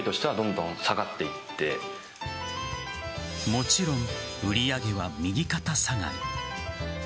もちろん売り上げは右肩下がり。